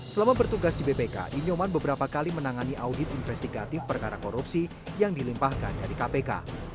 selama bertugas di bpk inyoman beberapa kali menangani audit investigatif perkara korupsi yang dilimpahkan dari kpk